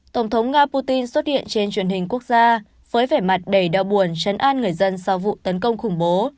tổng thống nga putin xuất hiện trên truyền hình quốc gia với vẻ mặt đầy đau buồn chấn an người dân sau vụ tấn công khủng bố